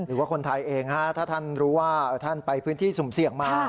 หรือว่าคนไทยเองถ้าท่านรู้ว่าท่านไปพื้นที่สุ่มเสี่ยงมา